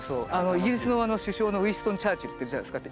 イギリスの首相のウィンストン・チャーチルっているじゃないですか。